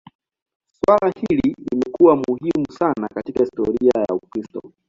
Suala hili limekuwa muhimu sana katika historia ya Ukristo.